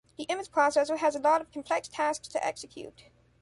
The image processor has a lot of complex tasks to execute.